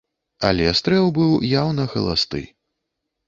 Але стрэл быў яўна халасты.